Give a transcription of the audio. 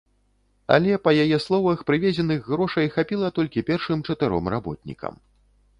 Але, па яе словах, прывезеных грошай хапіла толькі першым чатыром работнікам.